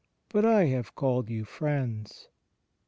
. but I have called you friends."